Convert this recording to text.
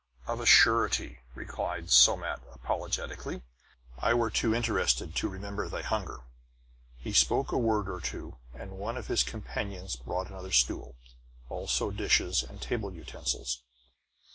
"Of a surety," replied Somat apologetically. "I were too interested to remember thy hunger." He spoke a word or two, and one of his companions brought another stool, also dishes and table utensils.